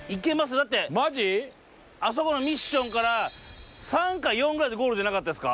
だってあそこのミッションから「３」か「４」ぐらいでゴールじゃなかったですか？